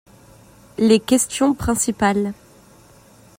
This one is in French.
Les questions principales.